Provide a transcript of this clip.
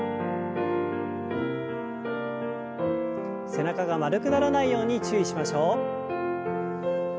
背中が丸くならないように注意しましょう。